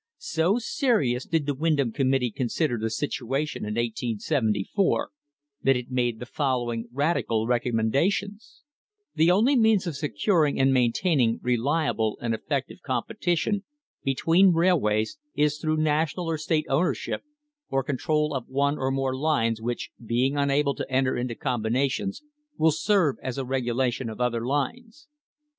So serious did the Windom Committee consider the situation in 1874, that it made the following radical recom mendations : The only means of securing and maintaining reliable and effective competition between railways is through national or state ownership, or control of one or more lines which, being unable to enter into combinations, will serve as a regulation of other lines.